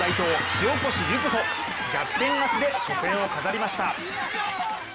塩越柚歩逆転勝ちで初戦を飾りました。